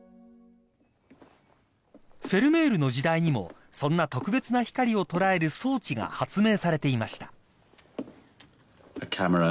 ［フェルメールの時代にもそんな特別な光を捉える装置が発明されていました］